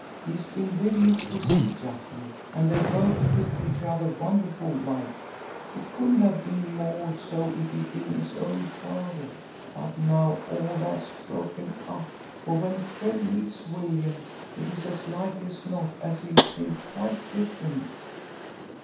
He's been with me to see Jackie, and they both took to each other wonderful like; it couldn't 'ave been more so if 'e'd been 'is own father. But now all that's broke up, for when Fred meets William it is as likely as not as he'll think quite different."